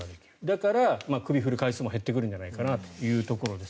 だから、首を振る回数も減ってくるんじゃないかということです。